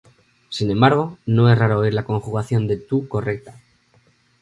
Sin embargo, no es raro oír la conjugación de "tu" correcta.